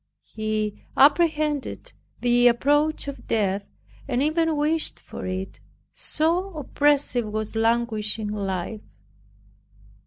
He apprehended the approach of death, and even wished for it, so oppressive was languishing life.